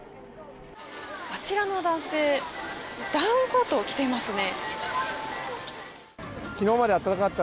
あちらの男性ダウンコートを着ていますね。